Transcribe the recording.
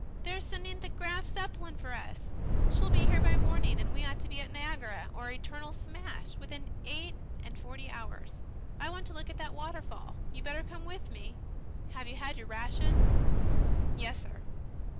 They're sending the Graf Zeppelin for us. She'll be here by the morning, and we ought to be at Niagara or eternal smash within eight and forty hours.... I want to look at that waterfall. You'd better come with me. Have you had your rations?" "Yessir."